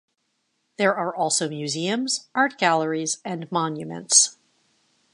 There are also museums, art galleries and monuments.